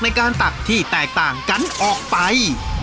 ตักที่แตกต่างกันออกไป